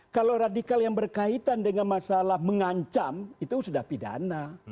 kalau radikal yang berkaitan dengan masalah mengancam itu sudah pidana